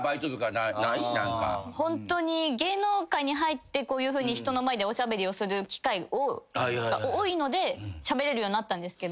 ホントに芸能界に入ってこういうふうに人の前でおしゃべりをする機会が多いのでしゃべれるようになったんですけど。